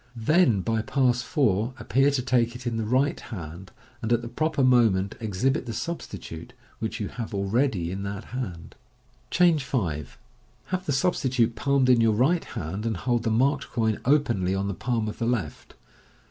Then by Pass 4 appear to take it in the right hand, and at the proper moment exhibit the substitute, which you have already in that hand. Changb 5.— Have the substitute palmed in your right hand, and hold the marked coin openly on the palm of the left.